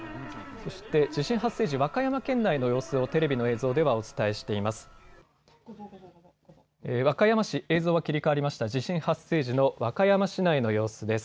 そして地震発生時、和歌山県内の様子をテレビの映像ではお伝えしています。